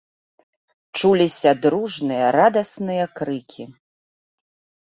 Чуліся дружныя радасныя крыкі.